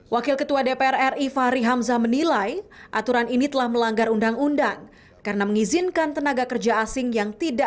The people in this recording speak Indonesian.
wakil ketua dpr ri fahri hamzah menilai aturan ini telah melanggar undang undang karena mengizinkan tenaga kerja asing yang tidak